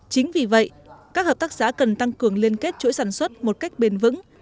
chính vì vậy các hợp tác xã cần tăng cường liên kết chuỗi sản xuất một cách bền vững